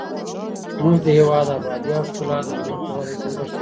زموږ د هېواد ابادي او ښکلا د هنر په وده کې نغښتې ده.